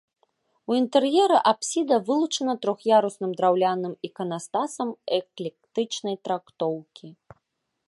У інтэр'еры апсіда вылучана трох'ярусным драўляным іканастасам эклектычнай трактоўкі.